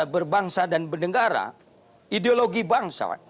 berbangsa dan bernegara ideologi bangsa